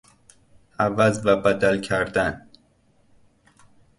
عوض و بدل کردن